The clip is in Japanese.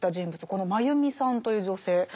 このマユミさんという女性。